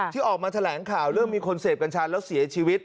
ที่ออกมาแถลงข่าวเรื่องมีคนเสพกัญชาแล้วเสียชีวิต